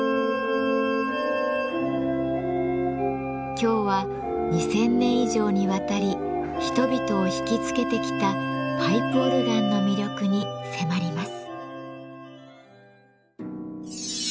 今日は２，０００年以上にわたり人々を引きつけてきたパイプオルガンの魅力に迫ります。